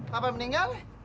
kapan meninggal ya